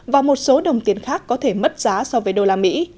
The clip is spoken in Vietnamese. và một số đồng tiền khác có thể mất giá so với đô la mỹ